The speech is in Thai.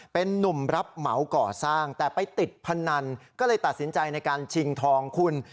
เป็นนุ่มรับเหมาก่อสร้างแต่ไปติดพนันก็เลยตัดสินใจในการชิงทองคุณ